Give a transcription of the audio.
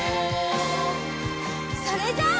それじゃあ。